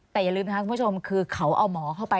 แต่อย่าลืมนะครับคุณผู้ชมคือเขาเอาหมอเข้าไป